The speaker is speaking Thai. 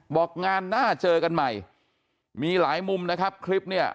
บอกงานหน้าเจอกันใหม่มีหลายมุมนะครับคลิปเนี่ย